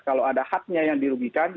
kalau ada haknya yang dirugikan